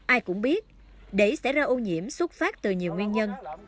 ai cũng biết để xảy ra ô nhiễm xuất phát từ nhiều nguyên nhân